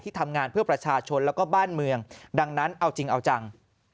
ทำงานเพื่อประชาชนแล้วก็บ้านเมืองดังนั้นเอาจริงเอาจัง